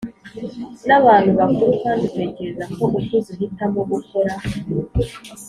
n abantu bakuru kandi utekereza ko ukuze uhitamo gukora